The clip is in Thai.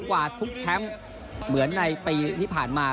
กว่าทุกแชมป์เหมือนในปีที่ผ่านมา